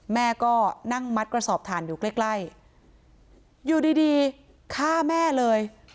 แม่ก็นั่งมัดกระสอบถ่านอยู่ใกล้ใกล้อยู่ดีดีฆ่าแม่เลย